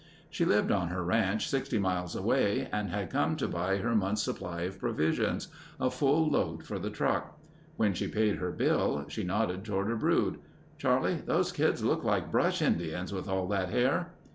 She lived on her ranch 60 miles away and had come to buy her month's supply of provisions—a full load for the truck. When she paid her bill she nodded toward her brood: "Charlie, those kids look like brush Indians with all that hair...."